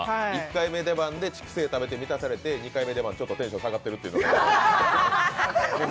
１回目出番で竹清食べて満たされて２回目出番、ちょっとテンション下がってるっていう。